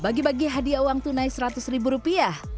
bagi bagi hadiah uang tunai seratus ribu rupiah